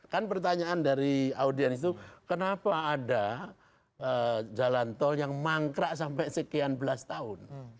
kan pertanyaan dari audiens itu kenapa ada jalan tol yang mangkrak sampai sekian belas tahun